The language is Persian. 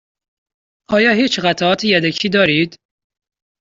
آیا هیچ قطعات یدکی دارید؟